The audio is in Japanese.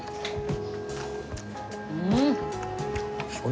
うん！